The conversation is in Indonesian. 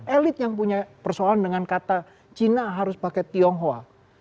elit yang punya persoalan dengan kata cina harus pakai tionghoa